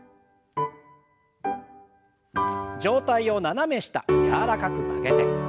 上体を斜め下柔らかく曲げて。